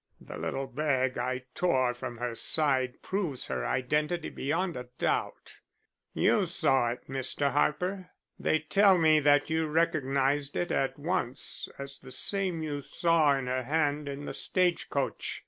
The little bag I tore from her side proves her identity beyond a doubt. You saw it, Mr. Harper. They tell me that you recognized it at once as the same you saw in her hand in the stage coach.